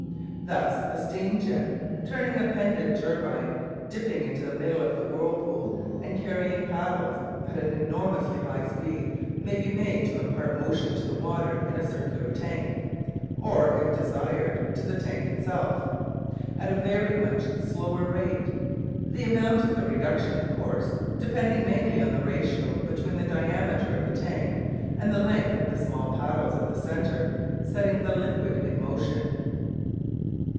Thus a steam jet turning a pendant turbine dipping into the middle of the whirlpool and carrying paddles at an enormously high speed may be made to impart motion to the water in a circular tank (or, if desired, to the tank itself) at a very much slower rate; the amount of the reduction, of course, depending mainly on the ratio between the diameter of the tank and the length of the small paddles at the centre setting the liquid in motion.